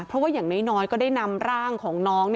เพราะว่าอย่างน้อยก็ได้นำร่างของน้อง